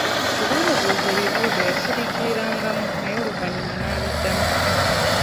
Bwe baamubuuza ebibuuzo yasiriikirirangamu naye oluvannyuma n'abiddamu.